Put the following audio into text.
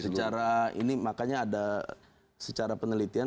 secara ini makanya ada secara penelitian